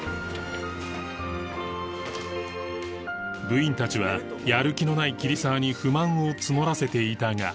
部員たちはやる気のない桐沢に不満を募らせていたが